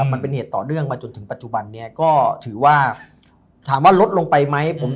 มันเป็นเหตุต่อเนื่องมาจนถึงปัจจุบันนี้ก็ถือว่าถามว่าลดลงไปไหม